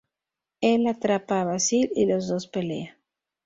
El atrapa a Basil y los dos pelean.